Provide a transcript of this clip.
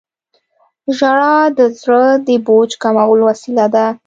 • ژړا د زړه د بوج کمولو وسیله ده.